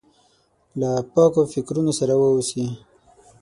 له پاکو فکرونو سره واوسي.